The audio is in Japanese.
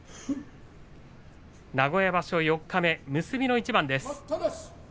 名古屋場所、四日目結びの一番です。